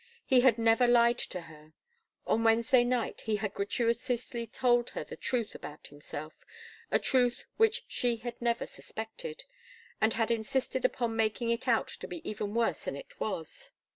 He had never lied to her. On Wednesday night, he had gratuitously told her the truth about himself a truth which she had never suspected and had insisted upon making it out to be even worse than it was.